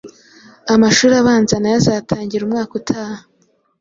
Amashuri abanza nayo azatangira umwaka utaha